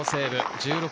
−１６。